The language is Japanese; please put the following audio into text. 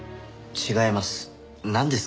違います。